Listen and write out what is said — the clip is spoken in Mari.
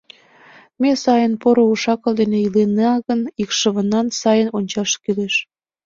Ме сайын, поро уш-акыл дене илынена гын, икшывынам сайын ончаш кӱлеш.